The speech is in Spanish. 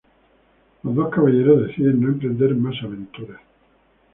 Los dos caballeros deciden no emprender más aventuras.